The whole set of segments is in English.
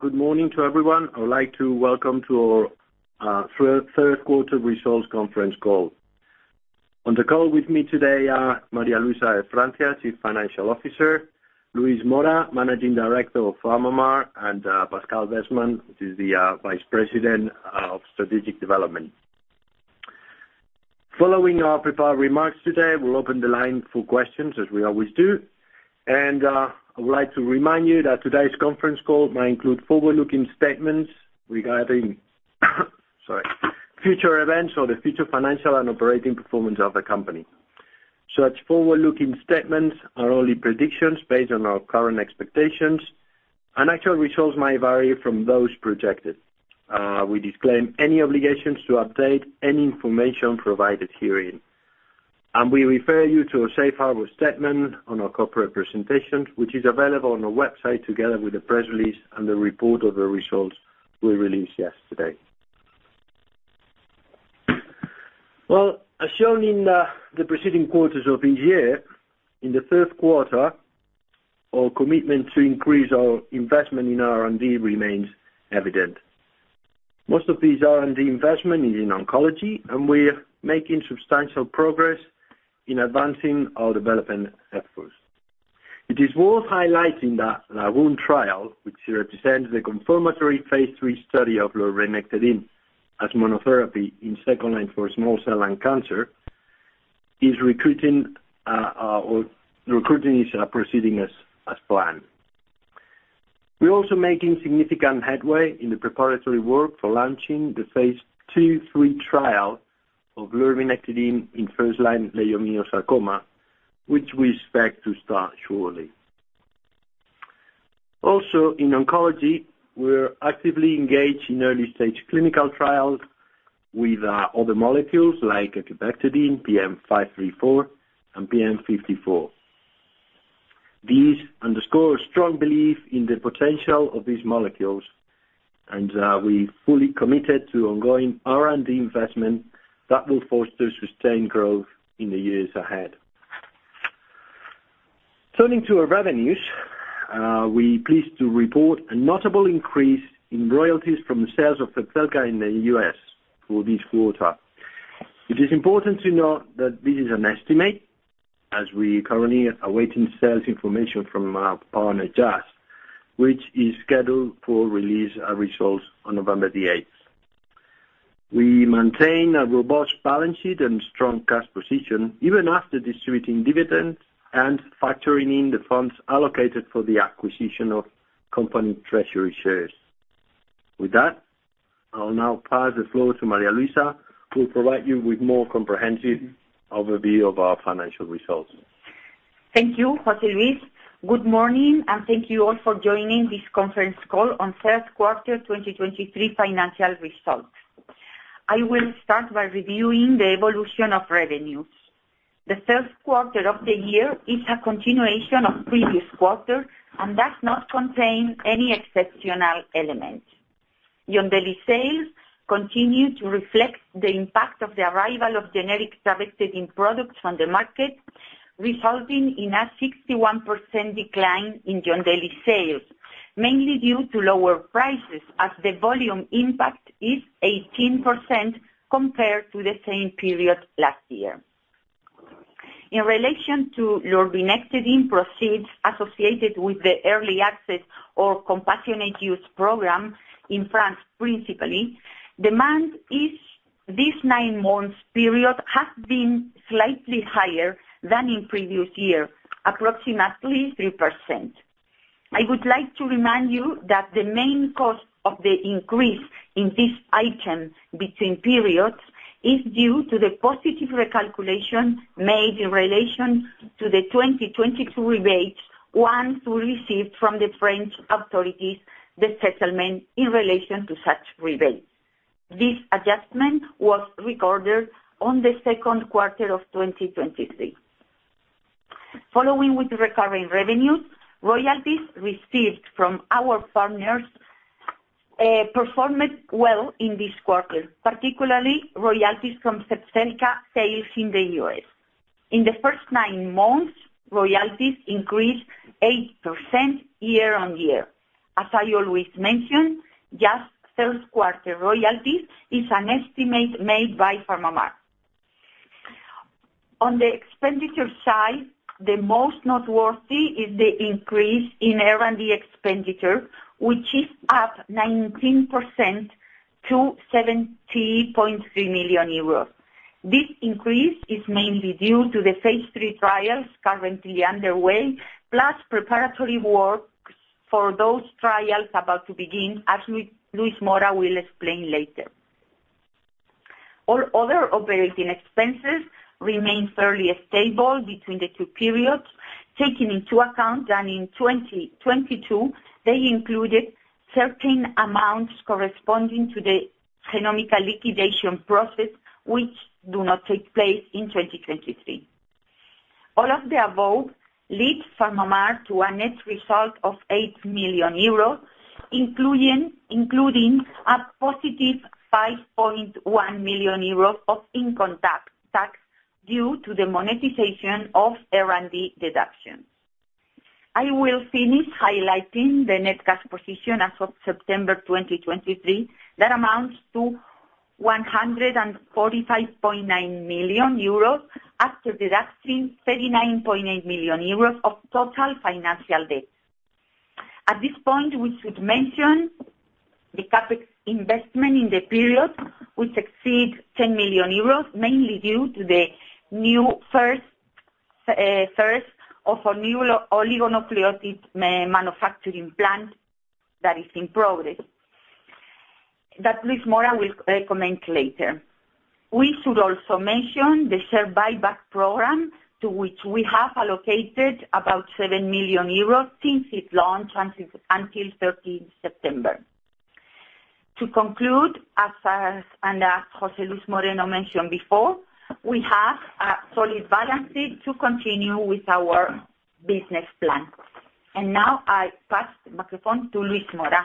Good morning to everyone. I would like to welcome to our third quarter results conference call. On the call with me today are María Luisa de Francia, Chief Financial Officer, Luis Mora, Managing Director of PharmaMar, and Pascal Besman, Vice President of Strategic Development. Following our prepared remarks today, we'll open the line for questions, as we always do. I would like to remind you that today's conference call may include forward-looking statements regarding future events or the future financial and operating performance of the company. Such forward-looking statements are only predictions based on our current expectations, and actual results may vary from those projected. We disclaim any obligations to update any information provided herein, and we refer you to a safe harbor statement on our corporate presentation, which is available on our website, together with the press release and the report of the results we released yesterday. Well, as shown in the preceding quarters of the year, in the third quarter, our commitment to increase our investment in R&D remains evident. Most of these R&D investment is in oncology, and we're making substantial progress in advancing our development efforts. It is worth highlighting that LAGOON trial, which represents the confirmatory phase III study of lurbinectedin as monotherapy in second line for small cell lung cancer, is recruiting, or recruiting is proceeding as planned. We're also making significant headway in the preparatory work for launching the phase II/III trial of lurbinectedin in first-line leiomyosarcoma, which we expect to start shortly. Also, in oncology, we're actively engaged in early-stage clinical trials with other molecules like ecubectedin, PM534 and PM54. These underscore a strong belief in the potential of these molecules, and we fully committed to ongoing R&D investment that will foster sustained growth in the years ahead. Turning to our revenues, we're pleased to report a notable increase in royalties from the sales of Zepzelca in the U.S. for this quarter. It is important to note that this is an estimate, as we currently are awaiting sales information from our partner, Jazz, which is scheduled for release results on November the 8th. We maintain a robust balance sheet and strong cash position, even after distributing dividends and factoring in the funds allocated for the acquisition of company treasury shares. With that, I'll now pass the floor to María Luisa, who will provide you with more comprehensive overview of our financial results. Thank you, José Luis. Good morning, and thank you all for joining this conference call on third quarter 2023 financial results. I will start by reviewing the evolution of revenues. The third quarter of the year is a continuation of previous quarter and does not contain any exceptional elements. Yondelis sales continue to reflect the impact of the arrival of generic trabectedin products on the market, resulting in a 61% decline in Yondelis sales, mainly due to lower prices, as the volume impact is 18% compared to the same period last year. In relation to lurbinectedin proceeds associated with the early access or compassionate use program in France, principally, demand is, this nine months period has been slightly higher than in previous year, approximately 3%. I would like to remind you that the main cause of the increase in this item between periods is due to the positive recalculation made in relation to the 2022 rebates, once we received from the French authorities the settlement in relation to such rebates. This adjustment was recorded on the second quarter of 2023. Following with the recurring revenues, royalties received from our partners performed well in this quarter, particularly royalties from Zepzelca sales in the U.S. In the first nine months, royalties increased 8% year-over-year. As I always mention, Jazz sales quarter royalty is an estimate made by PharmaMar. On the expenditure side, the most noteworthy is the increase in R&D expenditure, which is up 19% to 70.3 million euros. This increase is mainly due to the phase III trials currently underway, plus preparatory works for those trials about to begin, as Luis Mora will explain later. All other operating expenses remain fairly stable between the two periods, taking into account that in 2022, they included certain amounts corresponding to the Genómica liquidation process, which do not take place in 2023. All of the above lead PharmaMar to a net result of 8 million euros, including a positive 5.1 million euros of income tax due to the monetization of R&D deductions. I will finish highlighting the net cash position as of September 2023, that amounts to 145.9 million euros, after deducting 39.8 million euros of total financial debt. At this point, we should mention the CapEx investment in the period, which exceeds 10 million euros, mainly due to the new first of a new oligonucleotide manufacturing plant that is in progress, that Luis Mora will comment later. We should also mention the share buyback program, to which we have allocated about 7 million euros since it launched until 13th September. To conclude, as José Luis Moreno mentioned before, we have a solid balance sheet to continue with our business plan. Now I pass the microphone to Luis Mora.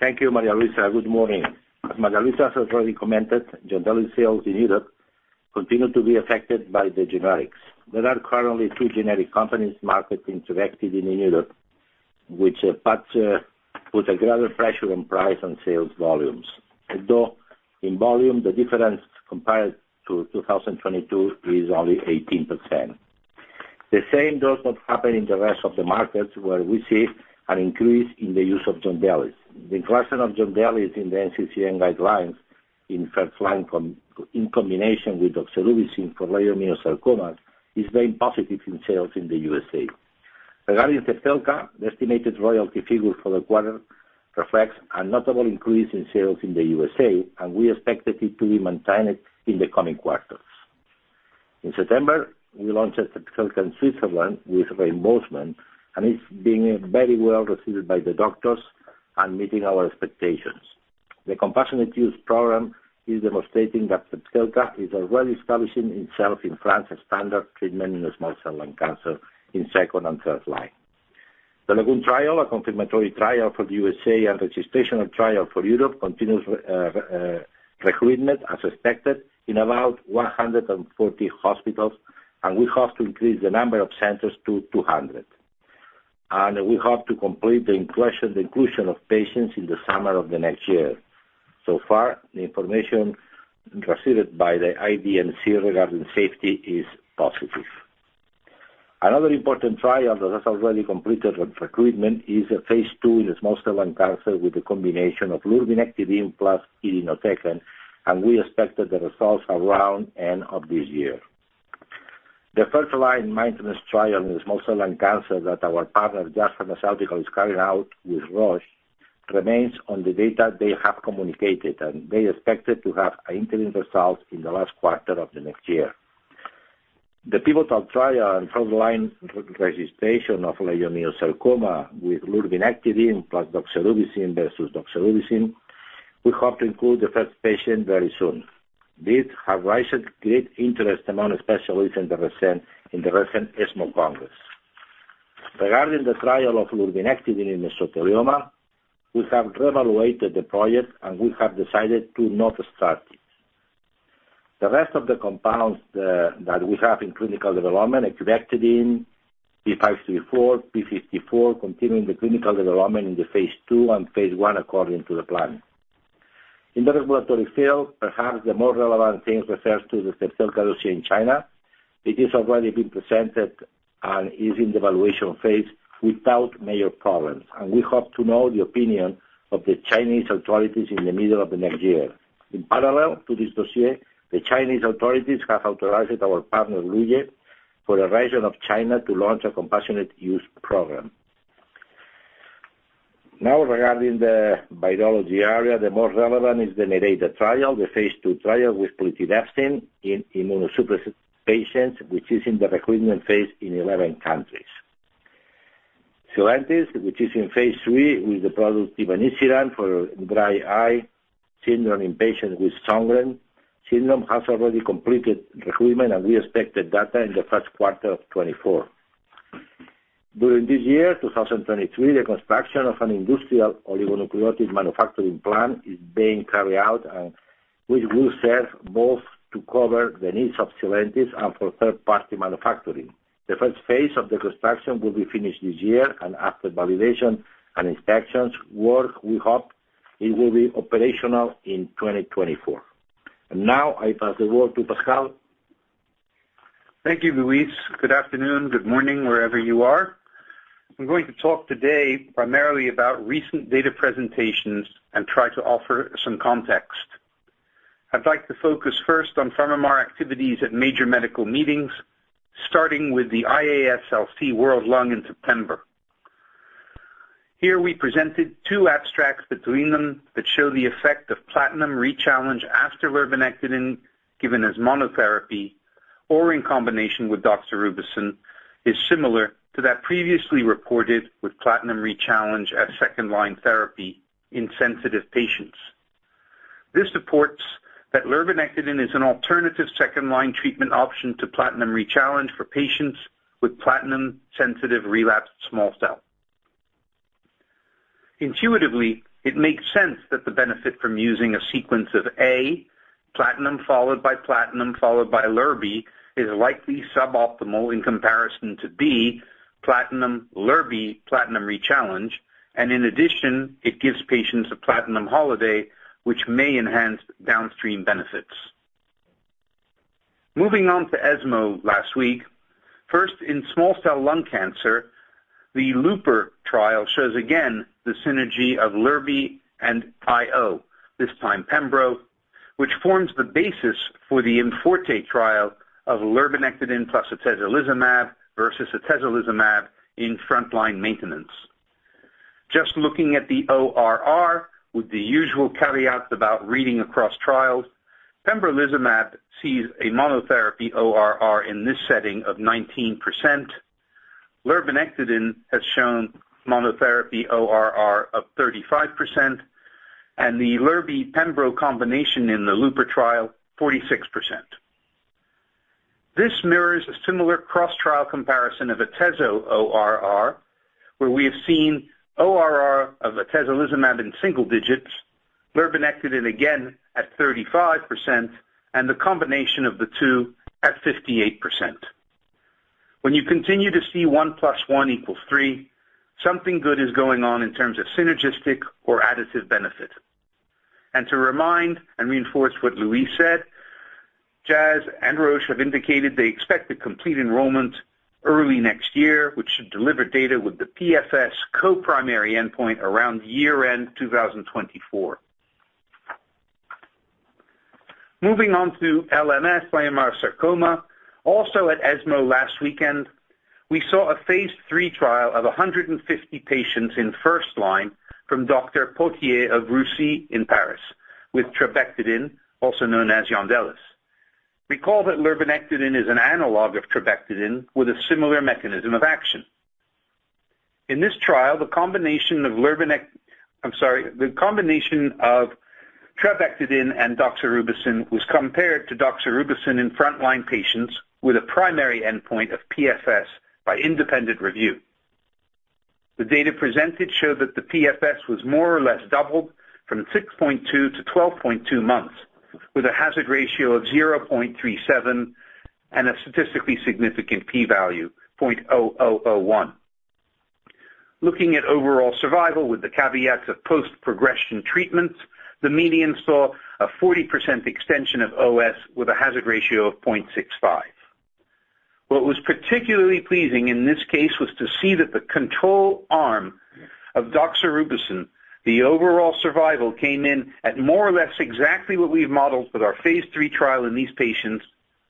Thank you, María Luisa. Good morning. As María Luisa has already commented, Yondelis sales in Europe continue to be affected by the generics. There are currently two generic companies marketing Yondelis in Europe, which put a greater pressure on price and sales volumes. Although, in volume, the difference compared to 2022 is only 18%. The same does not happen in the rest of the markets, where we see an increase in the use of Yondelis. The inclusion of Yondelis in the NCCN guidelines in first line in combination with doxorubicin for leiomyosarcoma is very positive in sales in the USA. Regarding Zepzelca, the estimated royalty figure for the quarter reflects a notable increase in sales in the USA, and we expect it to be maintained in the coming quarters. In September, we launched Zepzelca in Switzerland with reimbursement, and it's being very well received by the doctors and meeting our expectations. The compassionate use program is demonstrating that Zepzelca is already establishing itself in France as standard treatment in the small cell lung cancer in second and third line. The LAGOON trial, a confirmatory trial for the USA and registration of trial for Europe, continues recruitment as expected in about 140 hospitals, and we hope to increase the number of centers to 200. And we hope to complete the inclusion, inclusion of patients in the summer of the next year. So far, the information received by the IDMC regarding safety is positive. Another important trial that has already completed recruitment is a phase II in the small cell lung cancer with a combination of lurbinectedin plus irinotecan, and we expect the results around end of this year. The first-line maintenance trial in the small cell lung cancer that our partner, Jazz Pharmaceuticals, is carrying out with Roche, remains on the data they have communicated, and they expect to have interim results in the last quarter of the next year. The pivotal trial and first-line registration of leiomyosarcoma with lurbinectedin plus doxorubicin versus doxorubicin, we hope to include the first patient very soon. This have raised great interest among specialists in the recent ESMO Congress. Regarding the trial of lurbinectedin in mesothelioma, we have reevaluated the project, and we have decided to not start it. The rest of the compounds, that we have in clinical development, ecubectedin, PM534, PM54, continuing the clinical development in the phase II and phase I, according to the plan. In the regulatory field, perhaps the most relevant thing refers to the Zepzelca dossier in China. It is already been presented and is in the evaluation phase without major problems, and we hope to know the opinion of the Chinese authorities in the middle of the next year. In parallel to this dossier, the Chinese authorities have authorized our partner, Luye, for the region of China to launch a compassionate use program. Now, regarding the biology area, the most relevant is the Nereida trial, the phase II trial with ecubectedin in immunosuppressed patients, which is in the recruitment phase in 11 countries. Sylentis, which is in phase III, with the product tivanisiran for dry eye syndrome in patients with Sjögren's syndrome, has already completed recruitment, and we expect the data in the first quarter of 2024. During this year, 2023, the construction of an industrial oligonucleotide manufacturing plant is being carried out and which will serve both to cover the needs of Sylentis and for third-party manufacturing. The first phase of the construction will be finished this year, and after validation and inspections work, we hope it will be operational in 2024. And now I pass the word to Pascal. Thank you, Luis. Good afternoon, good morning, wherever you are. I'm going to talk today primarily about recent data presentations and try to offer some context. I'd like to focus first on PharmaMar activities at major medical meetings, starting with the IASLC World Lung in September. Here, we presented two abstracts between them that show the effect of platinum rechallenge after lurbinectedin, given as monotherapy or in combination with doxorubicin, is similar to that previously reported with platinum rechallenge as second-line therapy in sensitive patients. This supports that lurbinectedin is an alternative second-line treatment option to platinum rechallenge for patients with platinum-sensitive relapsed small cell.... intuitively, it makes sense that the benefit from using a sequence of A, platinum, followed by platinum, followed by lurbi, is likely suboptimal in comparison to B, platinum, lurbi, platinum rechallenge, and in addition, it gives patients a platinum holiday, which may enhance downstream benefits. Moving on to ESMO last week. First, in small cell lung cancer, the LUPER trial shows again the synergy of lurbi and IO, this time pembro, which forms the basis for the IMforte trial of lurbinectedin plus atezolizumab versus atezolizumab in frontline maintenance. Just looking at the ORR, with the usual caveats about reading across trials, pembrolizumab sees a monotherapy ORR in this setting of 19%. Lurbinectedin has shown monotherapy ORR of 35%, and the lurbi pembro combination in the LUPER trial, 46%. This mirrors a similar cross-trial comparison of atezo ORR, where we have seen ORR of atezolizumab in single digits, lurbinectedin again at 35%, and the combination of the two at 58%. When you continue to see one plus one equals three, something good is going on in terms of synergistic or additive benefit. And to remind and reinforce what Luis said, Jazz and Roche have indicated they expect to complete enrollment early next year, which should deliver data with the PFS co-primary endpoint around year-end 2024. Moving on to LMS, leiomyosarcoma. Also at ESMO last weekend, we saw a phase III trial of 150 patients in first line from Dr. Pautier of Roussy in Paris, with trabectedin, also known as Yondelis. Recall that lurbinectedin is an analog of trabectedin with a similar mechanism of action. In this trial, the combination of trabectedin and doxorubicin was compared to doxorubicin in frontline patients with a primary endpoint of PFS by independent review. The data presented showed that the PFS was more or less doubled from 6.2 to 12.2 months, with a hazard ratio of 0.37 and a statistically significant p-value, 0.001. Looking at overall survival with the caveats of post-progression treatments, the median saw a 40% extension of OS with a hazard ratio of 0.65. What was particularly pleasing in this case was to see that the control arm of doxorubicin, the overall survival, came in at more or less exactly what we've modeled with our phase III trial in these patients,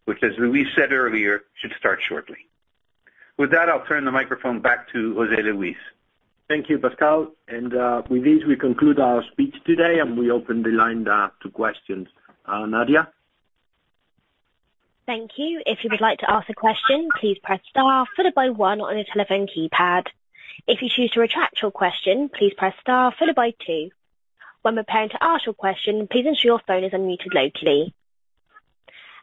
which, as Luis said earlier, should start shortly. With that, I'll turn the microphone back to José Luis. Thank you, Pascal. With this, we conclude our speech today, and we open the line to questions. Nadia? Thank you. If you would like to ask a question, please press star followed by one on your telephone keypad. If you choose to retract your question, please press star followed by two. When preparing to ask your question, please ensure your phone is unmuted locally.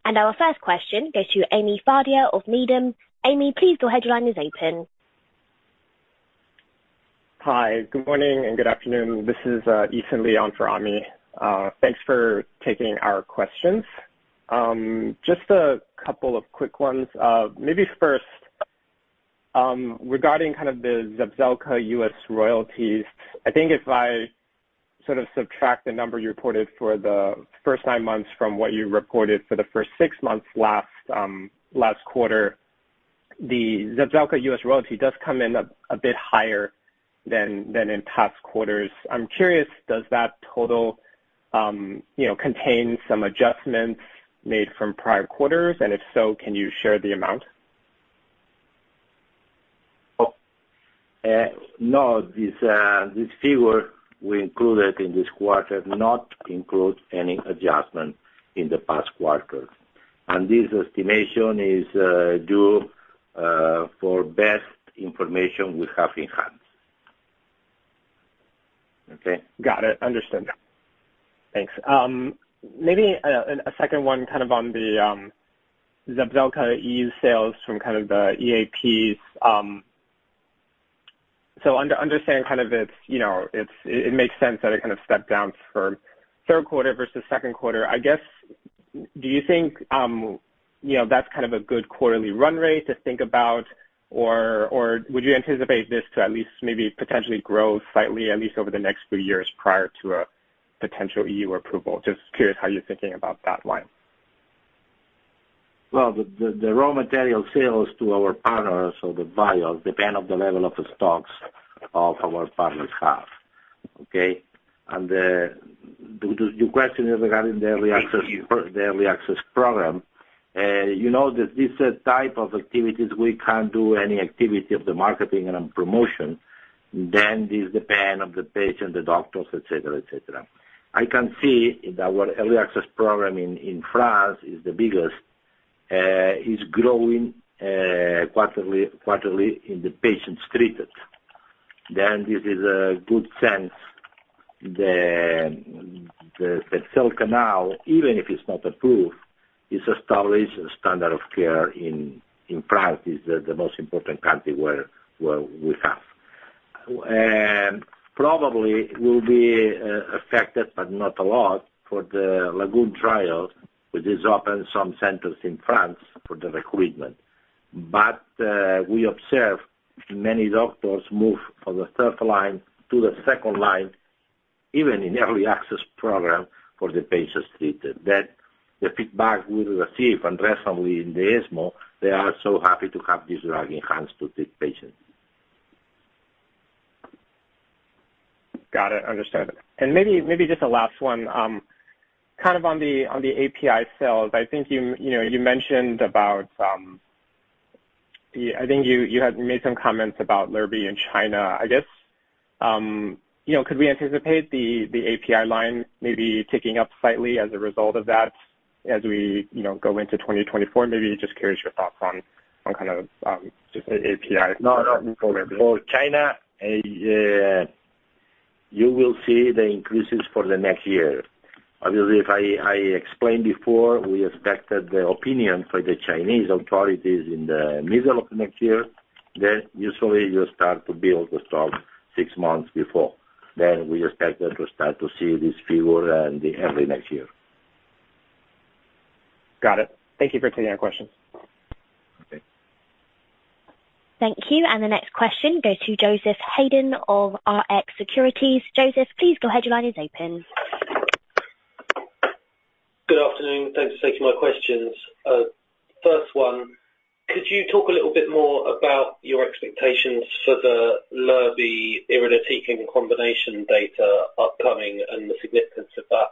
Our first question goes to Amy Fadia of Needham. Amy, please, your line is open. Hi, good morning and good afternoon. This is, Eason Lee for Amy. Thanks for taking our questions. Just a couple of quick ones. Maybe first, regarding kind of the Zepzelca U.S. royalties, I think if I sort of subtract the number you reported for the first nine months from what you reported for the first six months last, last quarter, the Zepzelca U.S. royalty does come in a bit higher than in past quarters. I'm curious, does that total, you know, contain some adjustments made from prior quarters? And if so, can you share the amount? No, this figure we included in this quarter does not include any adjustment in the past quarters. This estimation is due for best information we have in hand. Okay. Got it. Understand. Thanks. Maybe a second one kind of on the Zepzelca EU sales from kind of the EAPs. So understanding kind of it's, you know, it's... It makes sense that it kind of stepped down for third quarter versus second quarter. I guess, do you think, you know, that's kind of a good quarterly run rate to think about, or would you anticipate this to at least maybe potentially grow slightly, at least over the next few years prior to a potential EU approval? Just curious how you're thinking about that one. Well, the raw material sales to our partners or the buyers depend on the level of the stocks of our partners have. Okay? And the your question is regarding the early access, the early access program. You know that this type of activities, we can't do any activity of the marketing and promotion, then this depend on the patient, the doctors, et cetera, et cetera. I can see in our early access program in France is the biggest is growing quarterly in the patients treated. Then this is a good sense- the sales channel, even if it's not approved, is established as standard of care in practice, the most important country where we have. And probably will be affected, but not a lot, for the LAGOON trial, which is open some centers in France for the recruitment. But, we observe many doctors move from the third line to the second line, even in early access program for the patients treated. That the feedback we receive, and recently in the ESMO, they are so happy to have this drug in hands to treat patients. Got it. Understand. And maybe, maybe just a last one. Kind of on the, on the API sales, I think you, you know, you mentioned about, the-- I think you, you had made some comments about lurbinectedin in China, I guess. You know, could we anticipate the, the API line maybe ticking up slightly as a result of that, as we, you know, go into 2024? Maybe just curious your thoughts on, on kind of, just the API? No, no. For China, you will see the increases for the next year. Obviously, if I explained before, we expected the opinion for the Chinese authorities in the middle of next year, then usually you start to build the stock six months before. Then we expect them to start to see this figure in the early next year. Got it. Thank you for taking our questions. Okay. Thank you. The next question goes to Joseph Hedden of Rx Securities. Joseph, please go ahead. Your line is open. Good afternoon. Thanks for taking my questions. First one, could you talk a little bit more about your expectations for the lurbinectedin and combination data upcoming and the significance of that,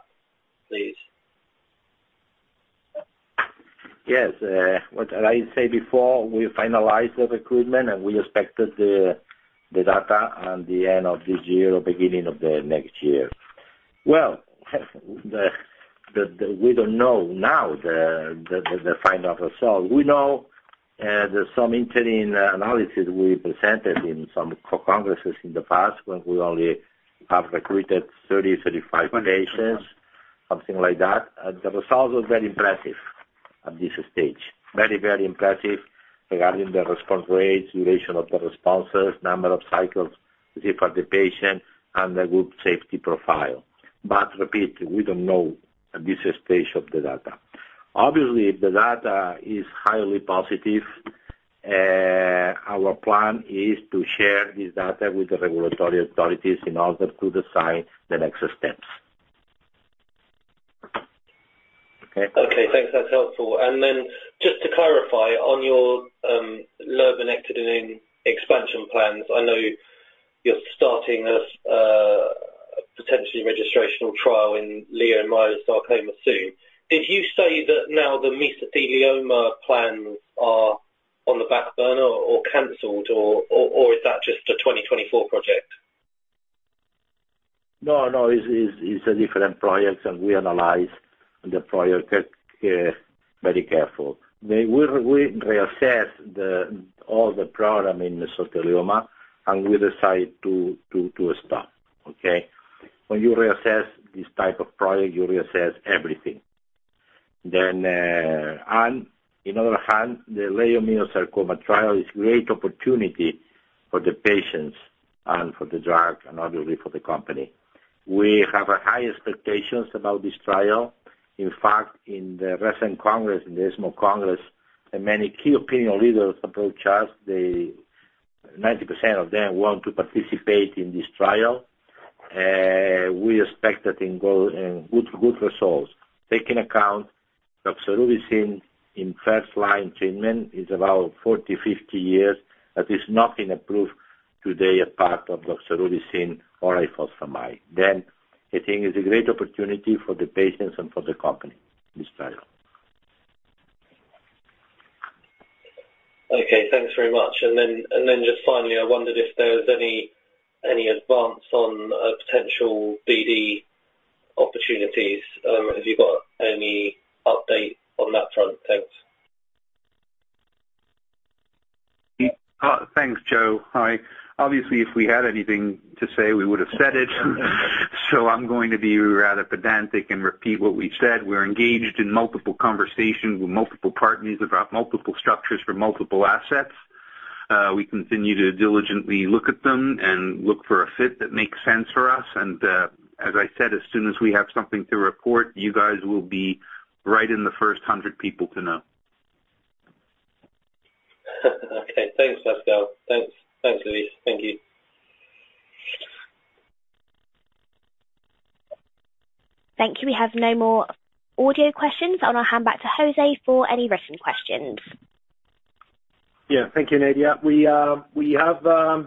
please? Yes, what did I say before? We finalized the recruitment, and we expected the data on the end of this year or beginning of the next year. Well, we don't know now the final result. We know, there's some interesting analysis we presented in some congresses in the past, when we only have recruited 30 to 35 patients, something like that. And the results were very impressive at this stage. Very, very impressive regarding the response rates, duration of the responses, number of cycles received by the patient, and the good safety profile. But to repeat, we don't know at this stage the data. Obviously, if the data is highly positive, our plan is to share this data with the regulatory authorities in order to decide the next steps. Okay. Okay, thanks. That's helpful. And then just to clarify, on your lurbinectedin expansion plans, I know you're starting a potentially registrational trial in leiomyosarcoma soon. Did you say that now the mesothelioma plans are on the back burner or canceled, or is that just a 2024 project? No, no, it's, it's, it's a different project, and we analyze the project very careful. We, we reassess the, all the program in mesothelioma, and we decide to, to, to stop. Okay? When you reassess this type of project, you reassess everything. On other hand, the leiomyosarcoma trial is great opportunity for the patients and for the drug and obviously for the company. We have high expectations about this trial. In fact, in the recent congress, in the ESMO Congress, and many key opinion leaders approached us. They... 90% of them want to participate in this trial. We expect that in go, in good, good results. Take in account, doxorubicin in first line treatment is about 40 to 50 years, that is not been approved today, a part of doxorubicin or ifosfamide. I think it's a great opportunity for the patients and for the company, this trial. Okay, thanks very much. And then just finally, I wondered if there was any advance on potential BD opportunities. Have you got any update on that front? Thanks. Thanks, Joe. Hi. Obviously, if we had anything to say, we would have said it. So I'm going to be rather pedantic and repeat what we've said. We're engaged in multiple conversations with multiple partners about multiple structures for multiple assets. We continue to diligently look at them and look for a fit that makes sense for us. And, as I said, as soon as we have something to report, you guys will be right in the first hundred people to know. Okay. Thanks, Pascal. Thanks. Thanks, Luis. Thank you. Thank you. We have no more audio questions. I'll now hand back to José for any written questions. Yeah, thank you, Nadia. We have a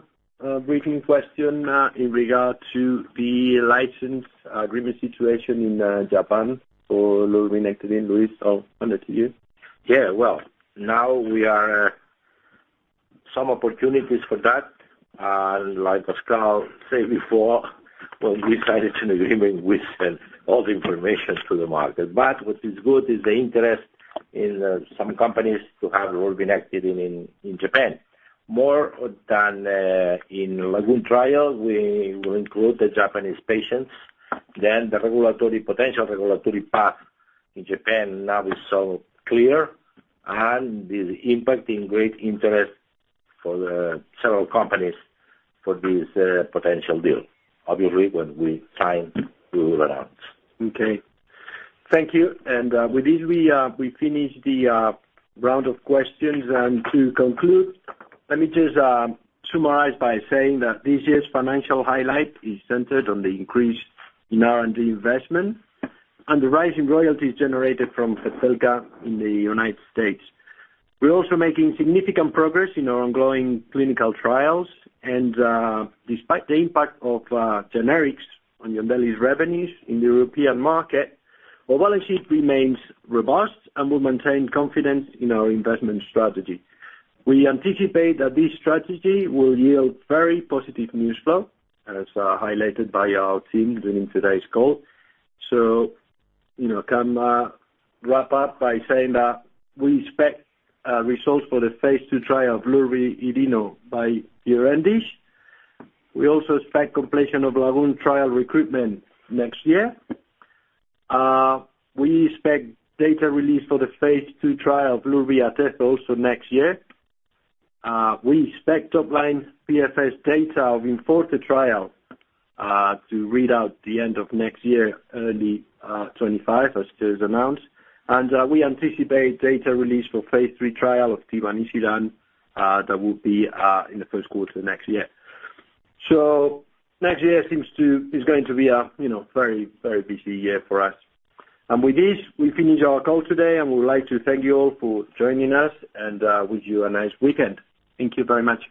briefing question in regard to the license agreement situation in Japan for lurbinectedin. Luis, I'll hand it to you. Yeah, well, now we are, some opportunities for that. And like Pascal said before, when we decided to an agreement, we send all the information to the market. But what is good is the interest in, some companies to have lurbinectedin in, in Japan.... more than, in LAGOON trial, we will include the Japanese patients. Then the regulatory, potential regulatory path in Japan now is so clear and is impacting great interest for the several companies for this, potential deal. Obviously, when we sign, we will announce. Okay. Thank you. With this, we finish the round of questions. To conclude, let me just summarize by saying that this year's financial highlight is centered on the increase in R&D investment and the rising royalties generated from Zepzelca in the United States. We're also making significant progress in our ongoing clinical trials, and, despite the impact of generics on Yondelis's revenues in the European market, our balance sheet remains robust, and we maintain confidence in our investment strategy. We anticipate that this strategy will yield very positive news flow, as highlighted by our team during today's call. So, you know, we can wrap up by saying that we expect results for the phase two trial of lurbinectedin by year-endish. We also expect completion of LAGOON trial recruitment next year. We expect data release for the phase II trial of lurbinectedin next year. We expect top-line PFS data of IMforte trial to read out the end of next year, early 2025, as it is announced. We anticipate data release for phase III trial of tivanisiran that will be in the first quarter of next year. So next year is going to be a, you know, very, very busy year for us. And with this, we finish our call today, and we would like to thank you all for joining us and wish you a nice weekend. Thank you very much.